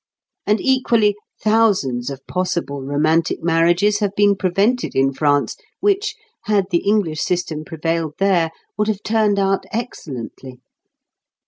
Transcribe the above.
And, equally, thousands of possible romantic marriages have been prevented in France which, had the English system prevailed there, would have turned out excellently.